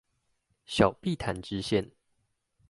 小碧潭支線